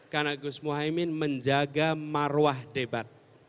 karena gus mohaimin menjaga marwah debat